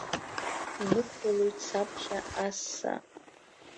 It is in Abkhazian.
Инықәлалоит саԥхьа ассаа!